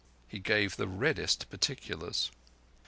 He gave the reddest particulars.